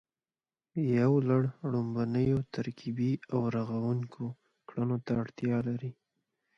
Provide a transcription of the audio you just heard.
یو لړ ړومبنیو ترکیبي او رغوونکو کړنو ته اړتیا لري